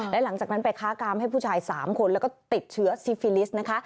และหลังจากนั้นไปค้ากามให้ผู้ชาย๓คนแล้วก็ติดเชื้อซิฟิลิสต์นะคะ